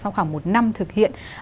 sau khoảng một năm thực hiện